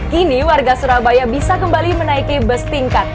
kini warga surabaya bisa kembali menaiki bus tingkat